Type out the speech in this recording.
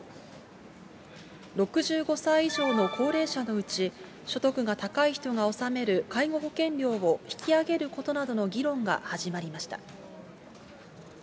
６５歳以上の高齢者のうち、所得が高い人が納める介護保険料を引き上げることなどの議論が始まりました。